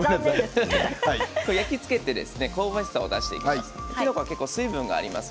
焼き付けて香ばしさを出していきます。